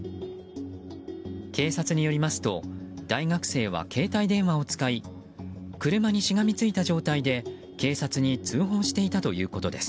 警察によりますと大学生は携帯電話を使い車にしがみついた状態で、警察に通報していたということです。